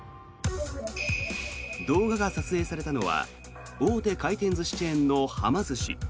動画が撮影されたのは大手回転寿司チェーンのはま寿司。